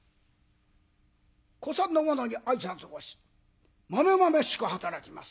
古参の者に挨拶をしまめまめしく働きます。